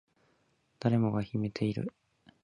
誰もが秘めている